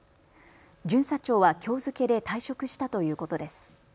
巡査長はきょう付けで退職したということです。